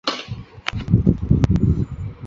患者也有机会产生幻听幻觉。